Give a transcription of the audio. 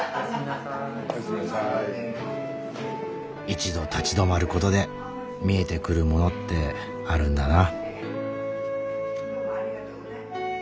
一度立ち止まることで見えてくるものってあるんだな。